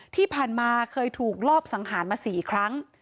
ที่ผ่านมาเคยถูกลอบสังหารมา๔ครั้ง